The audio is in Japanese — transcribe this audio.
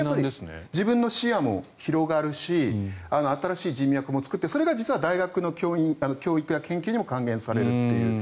自分の視野も広がるし新しい人脈も作ってそれが実は大学の教育や研究にも還元されるという。